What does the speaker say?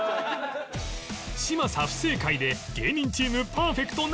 嶋佐不正解で芸人チームパーフェクトならず